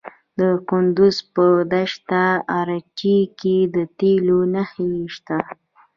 د کندز په دشت ارچي کې د تیلو نښې شته.